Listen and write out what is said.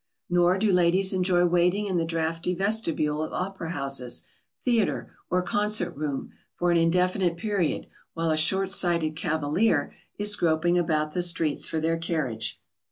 Nor do ladies enjoy waiting in the draughty vestibule of opera house, theatre, or concert room for an indefinite period while a short sighted cavalier is groping about the streets for their carriage.